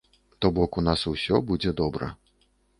То бок, у нас усё будзе добра.